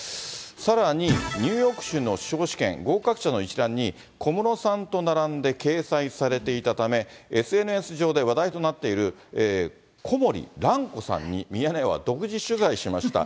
さらに、ニューヨーク州の司法試験、合格者の一覧に、小室さんと並んで掲載されていたため、ＳＮＳ上で話題となっている、コモリ・ランコさんにミヤネ屋は独自取材しました。